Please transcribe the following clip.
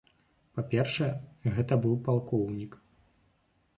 Па-першае, гэта быў палкоўнік.